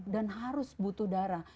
dan harus butuh darah